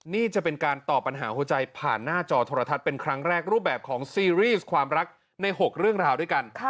นี่จะเป็นการตอบปัญหาหัวใจผ่านหน้าจอโทรทัศน์เป็นครั้งแรกรูปแบบของซีรีส์ความรักใน๖เรื่องราวด้วยกัน